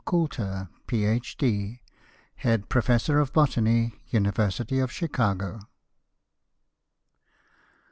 COULTER, Ph.D. _Head Professor of Botany, University of Chicago.